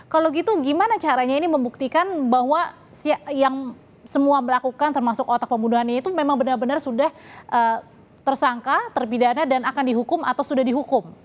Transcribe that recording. kalau gitu gimana caranya ini membuktikan bahwa yang semua melakukan termasuk otak pembunuhannya itu memang benar benar sudah tersangka terpidana dan akan dihukum atau sudah dihukum